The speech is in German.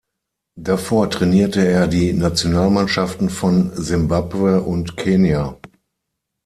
Davor trainierte er die Nationalmannschaften von Simbabwe und Kenia.